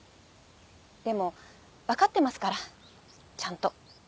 でも分かってますからちゃんと。